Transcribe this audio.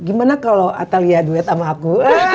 gimana kalau atalia duet sama aku